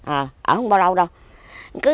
ờ ở không bao lâu đâu